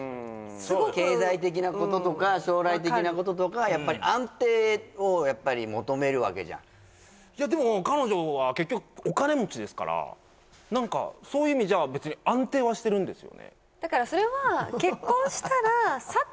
経済的なこととか将来的なこととかやっぱり安定を求めるわけじゃんいやでも彼女は結局お金持ちですから何かそういう意味じゃあ別にだからそれはそりゃそうだよ